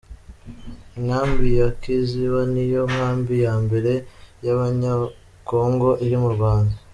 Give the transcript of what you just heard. Inkambi ya Kiziba ni yo nkambi ya mbere y’Abanyekongo iri mu Rwanda.